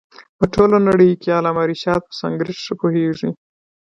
په ټوله نړۍ کښي علامه رشاد په سانسکرېټ ښه پوهيږي.